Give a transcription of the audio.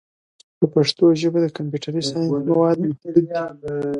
په پښتو ژبه د کمپیوټري ساینس مواد محدود دي.